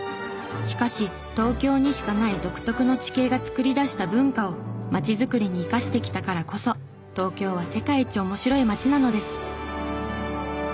しかし東京にしかない独特の地形が作り出した文化を街づくりに生かしてきたからこそ東京は世界一おもしろい街なのです。